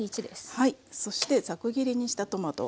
そしてざく切りにしたトマト。